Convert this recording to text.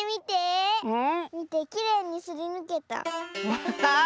アハハー！